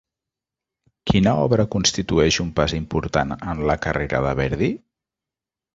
Quina obra constitueix un pas important en la carrera de Verdi?